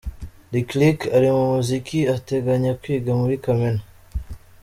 Lick Lick ari mu muziki, ateganya kwiga muri Kamena.